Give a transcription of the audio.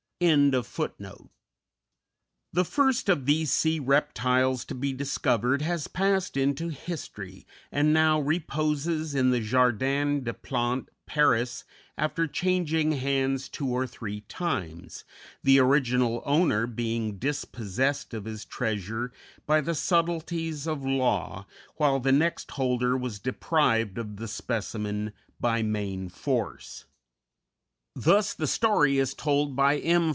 _ The first of these sea reptiles to be discovered has passed into history, and now reposes in the Jardin des Plantes, Paris, after changing hands two or three times, the original owner being dispossessed of his treasure by the subtleties of law, while the next holder was deprived of the specimen by main force. Thus the story is told by M.